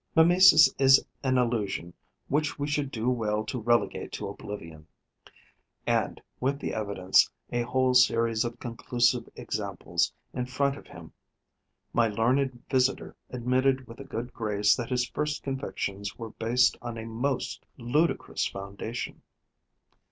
'Mimesis is an illusion which we should do well to relegate to oblivion.' And, with the evidence, a whole series of conclusive examples, in front of him, my learned visitor admitted with a good grace that his first convictions were based on a most ludicrous foundation.